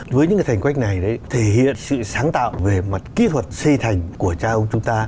với những cái thành quách này thể hiện sự sáng tạo về mặt kỹ thuật xây thành của cha ông chúng ta